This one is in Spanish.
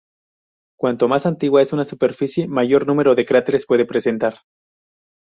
Cuanto más antigua es una superficie, mayor número de cráteres puede presentar.